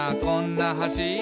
こんな橋」